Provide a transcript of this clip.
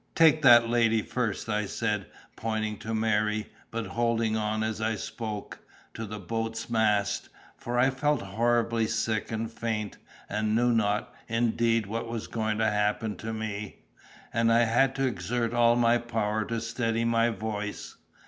"Take that lady first," I said, pointing to Mary, but holding on, as I spoke, to the boat's mast, for I felt horribly sick and faint, and knew not, indeed, what was going to happen to me; and I had to exert all my power to steady my voice.